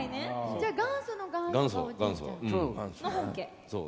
じゃあ元祖の元祖はおじいちゃん。